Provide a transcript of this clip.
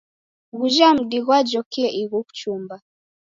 Ghuja mdi ghwajokie ighu kuchumba.